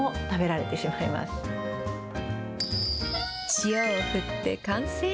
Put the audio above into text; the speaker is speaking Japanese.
塩を振って完成。